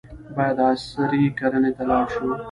باید عصري کرنې ته لاړ شو.